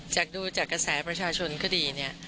จากดูจากกระแสประชาชนก็ดีเนี่ย